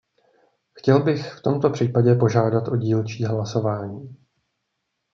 Chtěl bych v tomto případě požádat o dílčí hlasování.